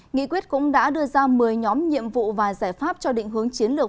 nghị quyết cũng đã đưa ra một mươi nhóm nhiệm vụ và giải pháp cho định hướng chiến lược